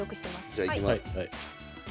じゃあいきます。